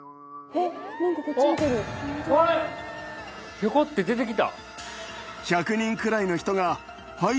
ひょこって出てきた。